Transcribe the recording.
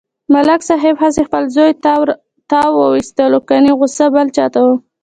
ملک صاحب هسې په خپل زوی تاو و ایستلو کني غوسه بل چاته و.